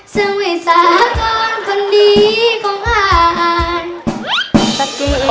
เสียงเวสากล้อนคนดีของอ่าน